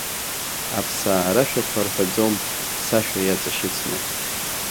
Аԥсаа рашәақәа рҳәаӡом, сашәа иаҵашьыцны.